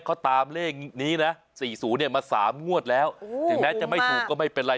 เขาตามเลขนี้นะ๔๐เนี่ยมา๓งวดแล้วถึงแม้จะไม่ถูกก็ไม่เป็นไร